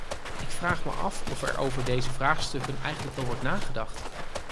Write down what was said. Ik vraag me af of er over deze vraagstukken eigenlijk wel wordt nagedacht.